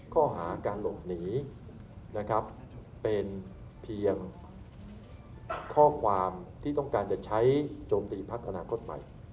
ข้อหาการหลบหนีนะครับเป็นเพียงข้อความที่ต้องการจะใช้โจมตีพักอนาคตใหม่